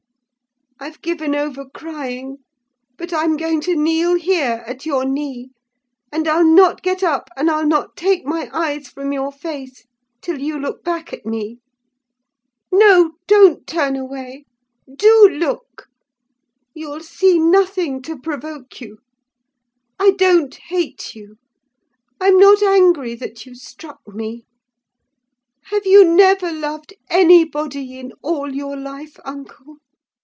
I've given over crying: but I'm going to kneel here, at your knee; and I'll not get up, and I'll not take my eyes from your face till you look back at me! No, don't turn away! do look! you'll see nothing to provoke you. I don't hate you. I'm not angry that you struck me. Have you never loved anybody in all your life, uncle?